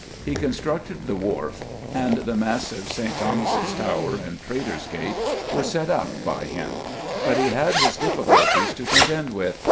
He constructed the Wharf, and the massive St. Thomas's Tower and Traitor's Gate were set up by him. But he had his difficulties to contend with.